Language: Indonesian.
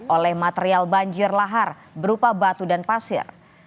oleh material banjir lahar berupa batu dan pasir